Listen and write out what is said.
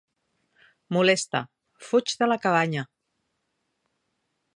Molesta, fuig de la cabanya.